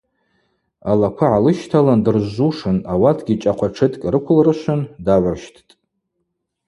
Алаква гӏалыщталын дыржвжвушын, ауатгьи чӏахъва тшыткӏ рыквылрышвын, дагӏвырщттӏ.